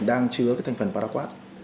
đang chứa cái thành phần paraquat